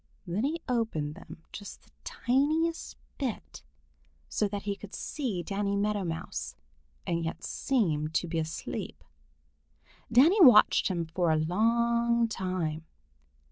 Then he opened them just the tiniest bit, so that he could see Danny Meadow Mouse and yet seem to be asleep. Danny watched him for a long time.